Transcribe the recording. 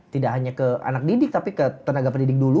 tidak hanya ke anak didik tapi ke tenaga pendidik dulu